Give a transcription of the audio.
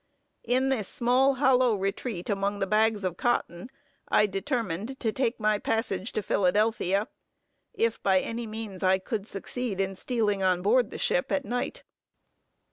In this small hollow retreat among the bags of cotton, I determined to take my passage to Philadelphia, if by any means I could succeed in stealing on board the ship at night.